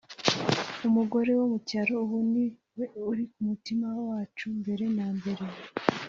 “Umugore wo mu cyaro ubu ni we uri ku mutima wacu mbere na mbere